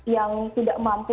yang tidak mampu